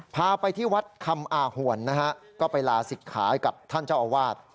พาไปที่วัดคำอาหวนนะฮะก็ไปลาศิกขากับท่านเจ้าอาวาส